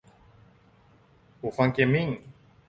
หูฟังเกมมิ่ง